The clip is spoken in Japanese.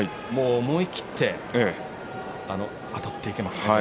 思い切ってあたっていけますね。